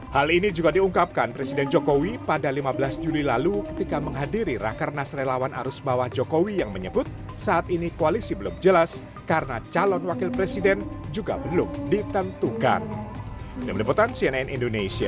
hal ini juga diungkapkan presiden jokowi pada lima belas juli lalu ketika menghadiri rakernas relawan arus bawah jokowi yang menyebut saat ini koalisi belum jelas karena calon wakil presiden juga belum ditentukan